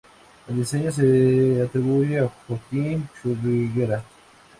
El diseño se atribuye a Joaquín Churriguera.